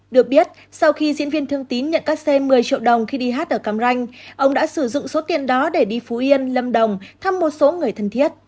được biết sau khi diễn viên thương tín nhận các xe một mươi triệu đồng khi đi hát ở cam ranh ông đã sử dụng số tiền đó để đi phú yên lâm đồng thăm một số người thân thiết